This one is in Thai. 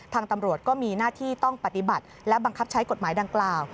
ทางตำรวจก็มีหน้าที่ต้องปฏิบัติและบังคับใช้กฎหมายดังกล่าว